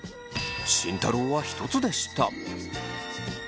慎太郎は１つでした。